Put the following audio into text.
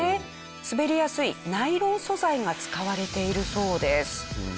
滑りやすいナイロン素材が使われているそうです。